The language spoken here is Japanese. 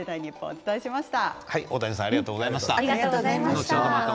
お伝えしました。